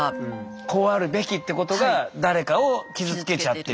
こうあるべきってことが誰かを傷つけちゃってる。